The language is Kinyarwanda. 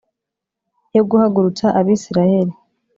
Yo guhagurutsa abisirayeli